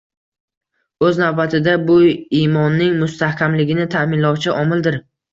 O‘z navbatida bu imonning mustahkamligini ta'minlovchi omildir